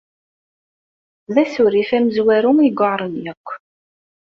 D asurif amezwaru ay iweɛṛen akk.